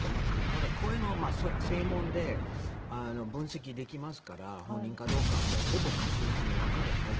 ただ、声の声紋で分析できますから本人かどうかはほぼ確実にわかるはず。